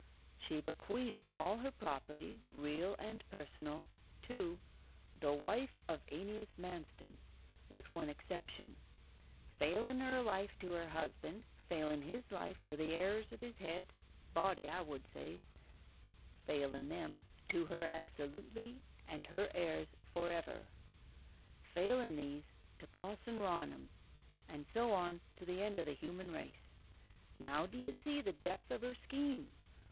She bequeathed all her property, real and personal, to "THE WIFE OF AENEAS MANSTON" (with one exception): failen her life to her husband: failen his life to the heirs of his head body I would say: failen them to her absolutely and her heirs for ever: failen these to Pa'son Raunham, and so on to the end o' the human race. Now do you see the depth of her scheme?